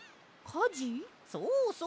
そうそう。